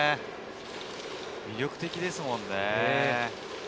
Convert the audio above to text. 魅力的ですよね。